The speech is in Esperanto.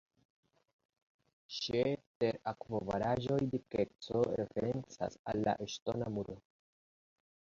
Ĉe ter-akvobaraĵoj, dikeco referencas al la ŝtona muro.